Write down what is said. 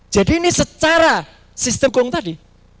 jadi ini secara sistem hukum tadi